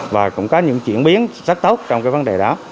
và cũng có những chuyển biến sắc tốt trong vấn đề đó